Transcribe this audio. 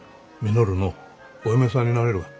稔のお嫁さんになれるがん。